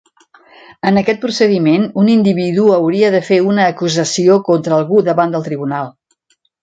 En aquest procediment, un individu hauria de fer una acusació contra algú davant del tribunal.